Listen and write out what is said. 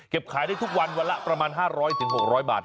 ขายได้ทุกวันวันละประมาณ๕๐๐๖๐๐บาท